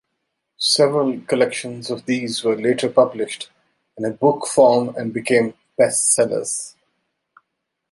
Several collections of these were later published in book form and became best-sellers.